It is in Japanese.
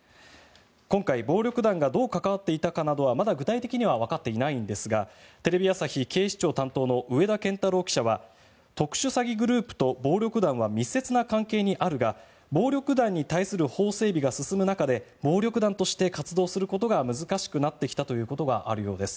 今回、暴力団がどう関わっていたかなどはまだ具体的にはわかっていないんですがテレビ朝日警視庁担当の上田健太郎記者は特殊詐欺グループと暴力団は密接な関係にあるが暴力団に対する法整備が進む中で暴力団として活動することが難しくなってきたということがあるようです。